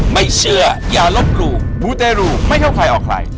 ไม่เชื่ออย่าลบหลู่มูเตรูไม่เข้าใครออกใคร